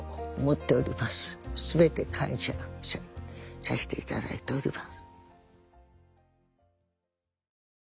全て感謝させていただいております。